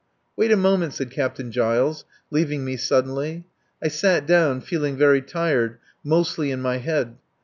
..." "Wait a moment," said Captain Giles, leaving me suddenly. I sat down feeling very tired, mostly in my head.